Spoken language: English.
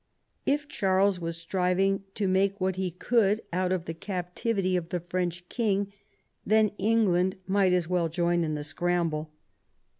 If Charles was striving to make what he could out of the captivity of the French king, then England might as well join in the scramble.